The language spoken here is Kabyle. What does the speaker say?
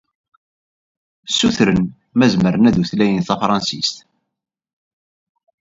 Ssutren ma zemren ad utlayen tafṛansist.